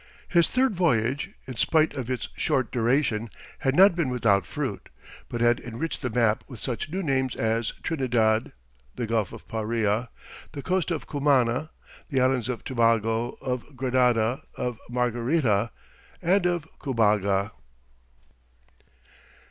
His third voyage, in spite of its short duration, had not been without fruit, but had enriched the map with such new names as Trinidad, the Gulf of Paria, the coast of Cumana, the Islands of Tobago, of Grenada, of Margarita, and of Cubaga.